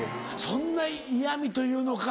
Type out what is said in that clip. そんな嫌みというのか。